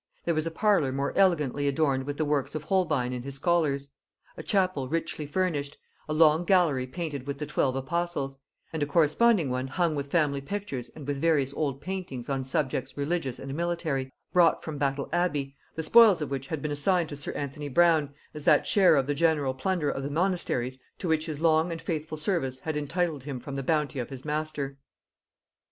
There was a parlour more elegantly adorned with the works of Holbein and his scholars; a chapel richly furnished; a long gallery painted with the twelve apostles; and a corresponding one hung with family pictures and with various old paintings on subjects religious and military, brought from Battle Abbey, the spoils of which had been assigned to sir Anthony Brown as that share of the general plunder of the monasteries to which his long and faithful service had entitled him from the bounty of his master.